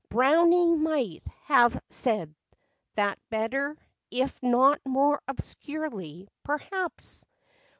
Browning might have said that better, If not more obscurely, perhaps.